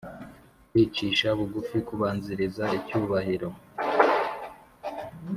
kwicisha bugufi kubanziriza icyubahiro